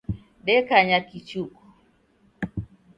Dekanya kichuku.